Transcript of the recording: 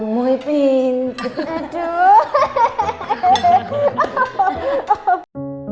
karena ada anak kamu juga